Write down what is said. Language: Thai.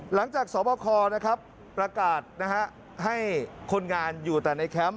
หลังจากสวบครอบครับประกาศนะฮะให้คนงานอยู่แต่ในแคมป์